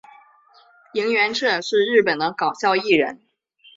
萤原彻是日本的搞笑艺人。